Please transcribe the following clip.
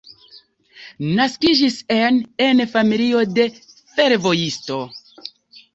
Naskiĝis en en familio de fervojisto.